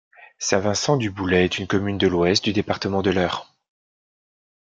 Saint-Vincent-du-Boulay est une commune de l'Ouest du département de l'Eure.